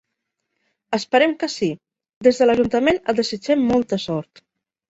Esperem que sí, des de l'ajuntament et desitgem molta sort.